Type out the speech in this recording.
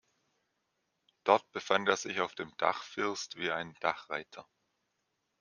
Dort befand er sich auf dem Dachfirst wie ein Dachreiter.